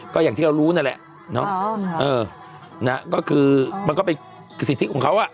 ก็อย่างที่เรารู้นั่นแหละเนาะก็คือมันก็เป็นสิทธิของเขาอ่ะ